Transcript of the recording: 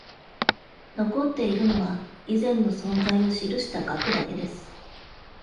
残っているのは、以前の存在を記した額だけです。